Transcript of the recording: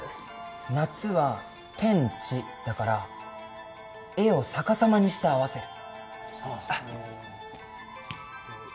夏は「天・地」だから絵を逆さまにして合わせる。